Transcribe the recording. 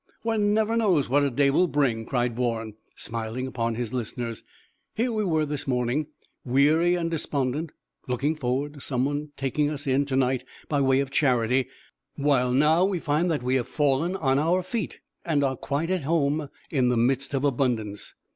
"One never knows what a day will bring forth," cried Bourne, smiling upon his listeners. "Here we were this morning weary and despondent, looking forward to someone taking us in to night by way of charity, while now we find that we have fallen on our feet, and are quite at home in the midst of abundance."